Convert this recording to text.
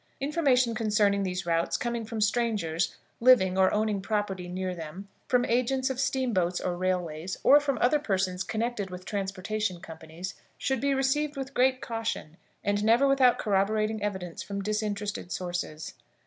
Information concerning these routes coming from strangers living or owning property near them, from agents of steam boats or railways, or from other persons connected with transportation companies, should be received with great caution, and never without corroborating evidence from disinterested sources.